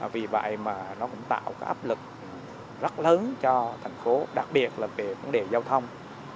vì vậy mà nó cũng tạo cái áp lực rất lớn cho thành phố đặc biệt là về vấn đề giao thông